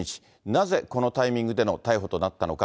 なぜこのタイミングでの逮捕となったのか。